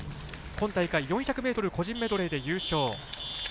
今大会４００ｍ個人メドレーで優勝。